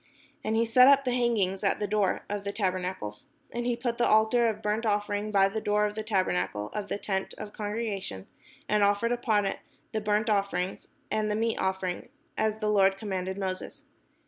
And he set up the hanging at the door of the tabernacle. And he put the altar of burnt offering by the door of the tabernacle of the tent of the congre gation, and offered upon it the burnt offering and the meat offering; as the Lord commanded Moses.